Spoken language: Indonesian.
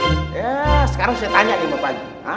ya sekarang saya tanya nih pak aji